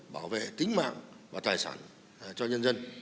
bảo vệ tính mạng và tài sản cho nhân dân